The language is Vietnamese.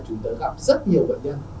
chúng ta gặp rất nhiều vật nhân